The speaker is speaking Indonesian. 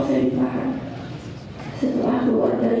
saya ditahan setelah dua hari